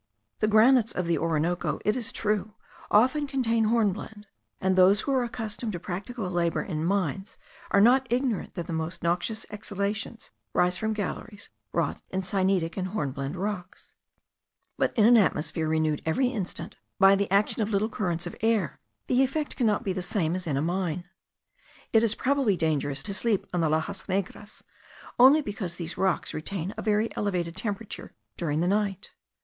The granites of the Orinoco, it is true, often contain hornblende; and those who are accustomed to practical labour in mines are not ignorant that the most noxious exhalations rise from galleries wrought in syenitic and hornblende rocks: but in an atmosphere renewed every instant by the action of little currents of air, the effect cannot be the same as in a mine. It is probably dangerous to sleep on the laxas negras, only because these rocks retain a very elevated temperature during the night.